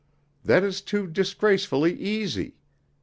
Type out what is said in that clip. That is too disgracefully easy.